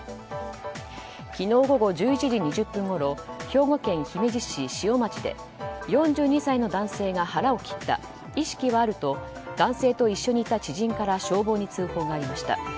昨日午後１１時２０分ごろ兵庫県姫路市塩町で４２歳の男性が腹を切った意識はあると男性と一緒にいた知人から消防に通報がありました。